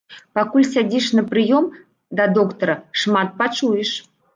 Пакуль сядзіш на прыём да доктара, шмат пачуеш!